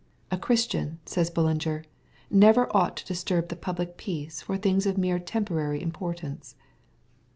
" A Christian," says Bullinger, " never ought to disturb the public peace for things of mere temporary importance."